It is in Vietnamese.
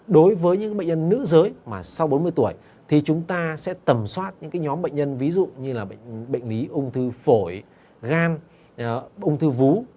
đối với những bệnh nhân nữ giới mà sau bốn mươi tuổi thì chúng ta sẽ tầm soát những nhóm bệnh nhân ví dụ như là bệnh lý ung thư phổi gan ung thư vú